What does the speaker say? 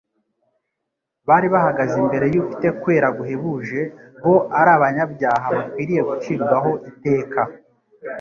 bari bahagaze imbere y'ufite kwera guhebuje, bo ari abanyabyaha bakwiriye gucirwaho iteka.